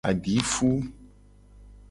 Adifu.